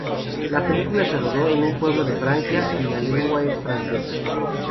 La película se rodó en un pueblo de Francia, y la lengua es francesa.